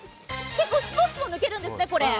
結構、スポスポ抜けるんですね。